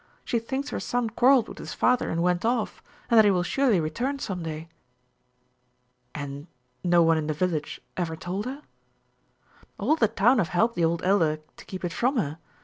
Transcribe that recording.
She thinks her son quarreled with his father and went off, and that he will surely return some day." "And no one in the village ever told her?" "All the town have helped the old Elder to keep it from her.